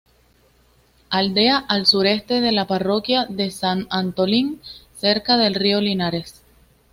Aldea al suroeste de la parroquia de San Antolín, cerca del río Linares.